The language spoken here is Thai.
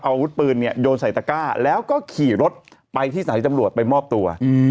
อาวุธปืนเนี่ยโยนใส่ตะก้าแล้วก็ขี่รถไปที่สถานีตำรวจไปมอบตัว